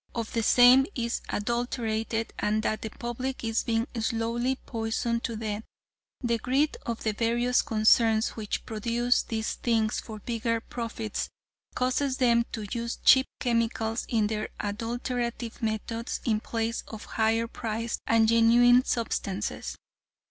of the same is adulterated and that the public is being slowly poisoned to death. The greed of the various concerns which produce these things for bigger profits, causes them to use cheap chemicals in their adulterative methods in place of higher priced and genuine substances.